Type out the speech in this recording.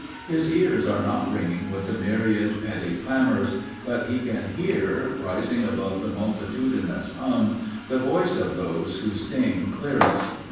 His ears are not ringing with a myriad petty clamours, but he can hear, rising above the multitudinous hum, the voice of those who sing clearest.